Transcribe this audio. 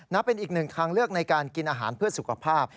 เป็นอีกหนึ่งทางเลือกในการกินอาหารเพื่อสุขภาพ